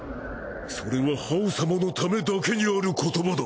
それは葉王様のためだけにある言葉だ。